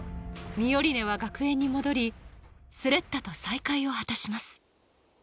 ミオリネは学園に戻りスレッタと再会を果たします